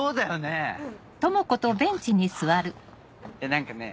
何かね